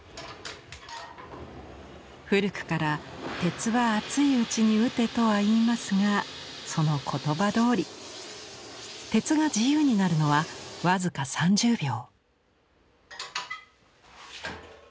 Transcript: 古くから「鉄は熱いうちに打て」とは言いますがその言葉どおり鉄が自由になるのは僅か３０秒。